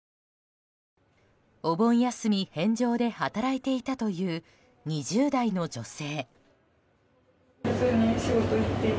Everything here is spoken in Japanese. お盆休み返上で働いていたという２０代の女性。